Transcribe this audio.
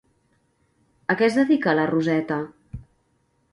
A què es dedica la Roseta?